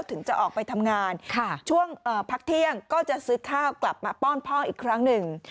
ถึงจะออกไปทำงานช่วงพักเที่ยงก็จะซื้อข้าวกลับมาป้อนพ่ออีกครั้งหนึ่ง